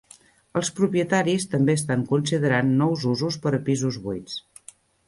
Els propietaris també estan considerant nous usos per a pisos buits.